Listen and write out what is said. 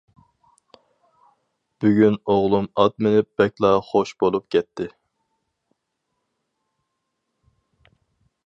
بۈگۈن ئوغلۇم ئات مىنىپ بەكلا خوش بولۇپ كەتتى!